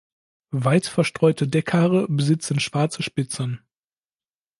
Weit verstreute Deckhaare besitzen schwarze Spitzen.